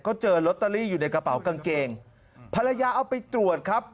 เขาเจอลอตเตอรี่อยู่ในกระเป๋ากางเกงภรรยาเอาไปตรวจครับ